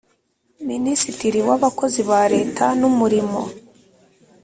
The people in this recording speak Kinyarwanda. Minisitiri w Abakozi ba Leta n Umurimo